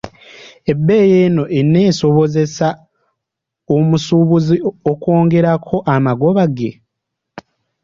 Ebbeeyi eno eneesobozesa omusuubuzi okwongerako amagoba ge?